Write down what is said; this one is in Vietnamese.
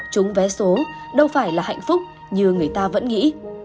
chúng vé số đâu phải là hạnh phúc như người ta vẫn nghĩ